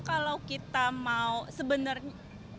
kalau kita mau sebenarnya